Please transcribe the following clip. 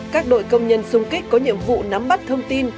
các đội công nhân xung kích có nhiệm vụ nắm bắt thông tin